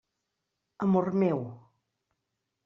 Amor meu!